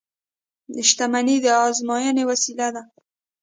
• شتمني د ازموینې وسیله ده.